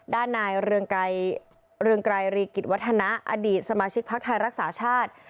ด้านนายเรืองไกรรีกิจวัฒนะอดีตสมาชิกพักไทยรักษาชาติ